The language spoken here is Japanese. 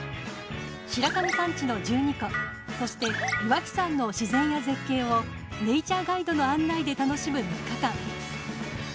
白神山地の十二湖そして岩木山の自然や絶景をネイチャーガイドの案内で楽しむ３日間。